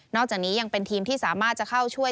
จากนี้ยังเป็นทีมที่สามารถจะเข้าช่วย